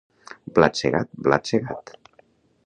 Blat segat, blat segat!